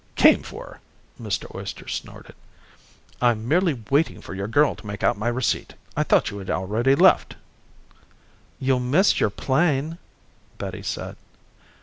"Came for?" Mr. Oyster snorted. "I'm merely waiting for your girl to make out my receipt. I thought you had already left." "You'll miss your plane," Betty said.